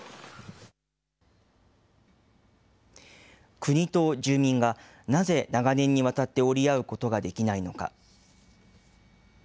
国と住民がなぜ長年にわたって折り合うことができないのか。